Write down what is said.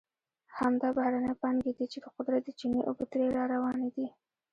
همدا بهرنۍ پانګې دي چې د قدرت د چینې اوبه ترې را روانې دي.